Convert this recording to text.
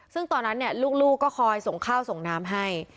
ซึ่งตอนนั้นลูกก็คอยส่งข้าวส่งน้ำให้